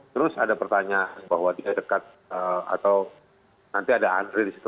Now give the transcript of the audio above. terus ada pertanyaan bahwa dia dekat atau nanti ada andre di situ